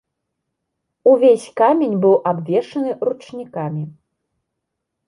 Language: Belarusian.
Увесь камень быў абвешаны ручнікамі.